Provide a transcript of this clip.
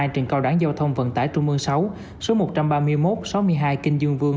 hai trường cao đảng giao thông vận tải trung mương sáu số một trăm ba mươi một sáu mươi hai kinh dương vương